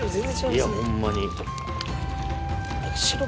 いやホンマに。